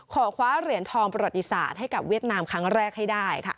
คว้าเหรียญทองประวัติศาสตร์ให้กับเวียดนามครั้งแรกให้ได้ค่ะ